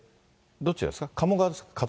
どちらですか？